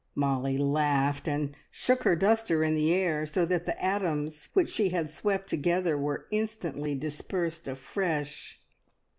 Molly laughed, and shook her duster in the air, so that the atoms which she had swept together were instantly dispersed afresh.